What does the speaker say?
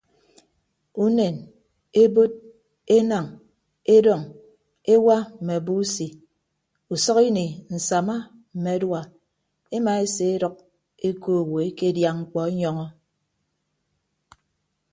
Unen ebod enañ edọñ ewa mme abusi usʌk ini nsama mme adua emaeseedʌk eko owo ekedia mkpọ enyọñọ.